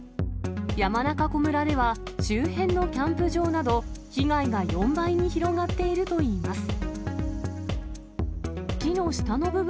山中湖村では周辺のキャンプ場など、被害が４倍に広がっているといいます。